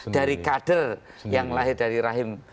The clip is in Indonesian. dari kader yang lahir dari rahim